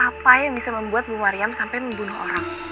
apa yang bisa membuat bu mariam sampai membunuh orang